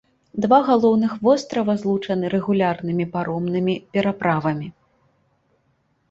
Два галоўных вострава злучаны рэгулярнымі паромнымі пераправамі.